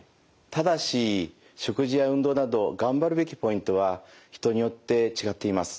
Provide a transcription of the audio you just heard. ただし食事や運動など頑張るべきポイントは人によって違っています。